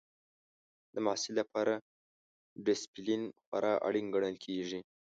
د محصل لپاره ډسپلین خورا اړین ګڼل کېږي.